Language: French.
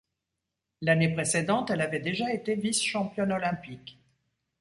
L'année précédente, elle avait déjà été vice-championne olympique.